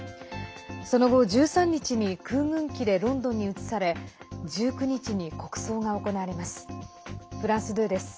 その後、１３日に空軍機でロンドンに移され１９日に国葬が行われます。